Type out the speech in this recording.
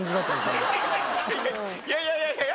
いやいやいやいや！